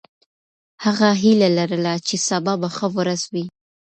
هغه هیله لرله چې سبا به ښه ورځ وي.